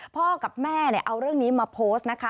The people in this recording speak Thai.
พ่อกับแม่เอาเรื่องนี้มาโพสต์นะคะ